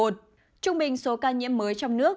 trung bình số ca nhiễm mới trong nước